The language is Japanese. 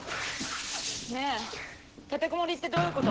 ねえ立てこもりってどういうこと？